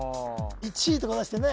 １位とか出してね